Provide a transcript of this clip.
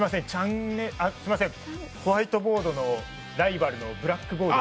すいません、ホワイトボードのライバルのブラックボードを。